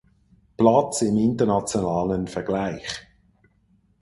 Platz im internationalen Vergleich.